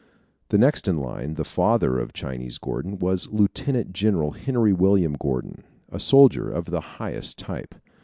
The next in line, the father of Chinese Gordon, was Lieutenant General Henry William Gordon, a soldier of the highest type.